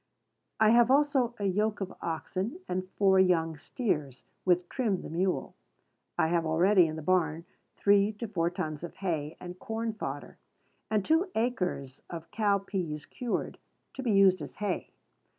I have also a yoke of oxen and four young steers, with Trim the mule. I have already in the barn three to four tons of hay and corn fodder, and two acres of cow pease cured, to be used as hay.